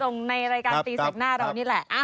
ในรายการตีแสกหน้าเรานี่แหละ